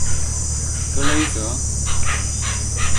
格雷泽。